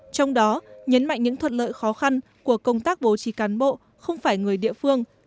trong đó nhấn mạnh những thuận lợi khó khăn của công tác bố trí cán bộ không phải người địa phương